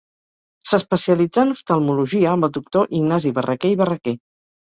S'especialitzà en oftalmologia amb el doctor Ignasi Barraquer i Barraquer.